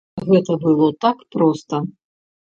Гэта было так проста.